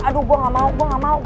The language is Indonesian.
aduh gue gak mau